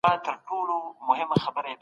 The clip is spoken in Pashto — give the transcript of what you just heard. قهر ژر زړښت راولي